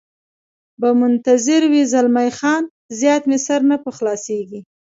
به منتظر وي، زلمی خان: زیات مې سر نه په خلاصېږي.